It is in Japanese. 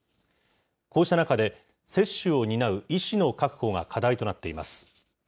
こうした中で、接種を担う医師の確保が課題となっています。